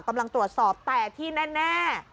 กำลังตรวจสอบแต่ที่แน่